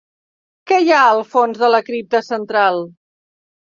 Què hi ha al fons de la cripta central?